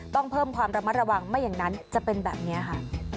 ต้องเพิ่มความระมัดระวังไม่อย่างนั้นจะเป็นแบบนี้ค่ะ